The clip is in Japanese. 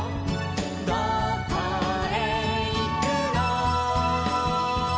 「どこへいくの」